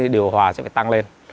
điều hòa sẽ phải tăng lên